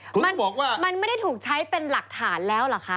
คุณมันบอกว่ามันไม่ได้ถูกใช้เป็นหลักฐานแล้วเหรอคะ